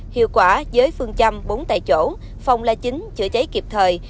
hiệu quả với phương châm bốn tại chỗ phòng là chính chữa cháy kịp thời